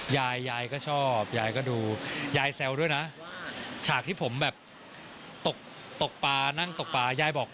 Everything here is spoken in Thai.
ยายยายก็ชอบยายก็ดูยายแซวด้วยนะฉากที่ผมแบบตกตกปลานั่งตกปลายายบอก